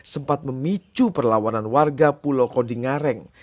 sempat memicu perlawanan warga pulau kodingareng